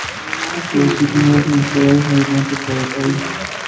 Los skinheads influenciados mayormente por el oi!